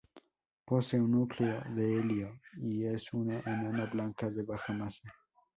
Posee un núcleo de helio y es una enana blanca de baja masa.